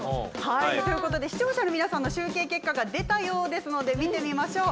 視聴者の皆さんの集計結果が出たようなので見てみましょう。